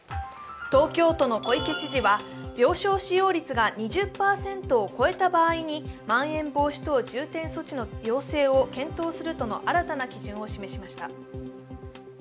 東京都の小池知事は病床使用率が２０％を超えた場合にまん延防止等重点措置の要請を検討するとの新たな基準を示しました。